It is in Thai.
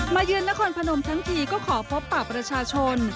มาเยือนนครพนมทั้งทีก็ขอพบปรัชชน